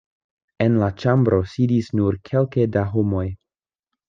En la ĉambro sidis nur kelke da homoj.